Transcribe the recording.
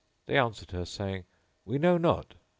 They answered her saying, "We know not!"